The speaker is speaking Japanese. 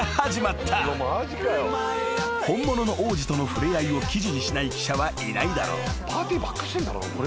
［本物の王子との触れ合いを記事にしない記者はいないだろう］